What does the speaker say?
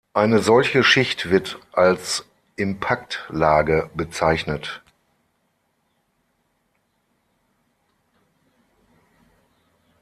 Eine solche Schicht wird als "Impakt-Lage" bezeichnet.